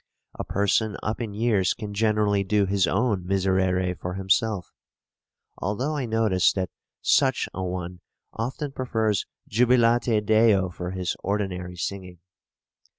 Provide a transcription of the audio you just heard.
A person up in years can generally do his own Miserere for himself; although I notice that such an one often prefers Jubilate Deo for his ordinary singing.